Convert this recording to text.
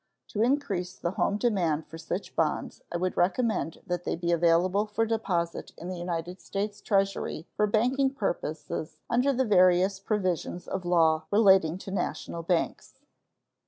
To increase the home demand for such bonds I would recommend that they be available for deposit in the United States Treasury for banking purposes under the various provisions of law relating to national banks.